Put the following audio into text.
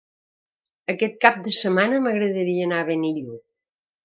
Aquest cap de setmana m'agradaria anar a Benillup.